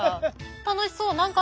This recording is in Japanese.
楽しそう。